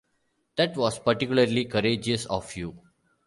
That was particularly courageous of you.